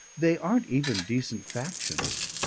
They aren't even decent factions.